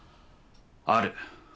ある。